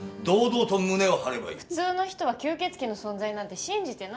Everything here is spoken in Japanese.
普通の人は吸血鬼の存在なんて信じてないから。